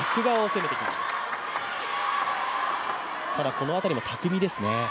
この辺りも巧みですね。